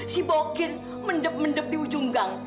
si bokir mendep mendep di ujung gang